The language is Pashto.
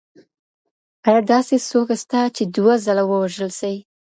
ایا داسې څوک سته چي دوه ځله ووژل سي؟